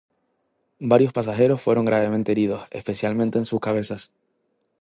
Varios pasajeros fueron gravemente heridos, especialmente en sus cabezas.